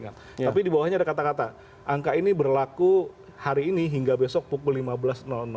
tapi di bawahnya ada kata kata angka ini berlaku hari ini hingga besok pukul lima belas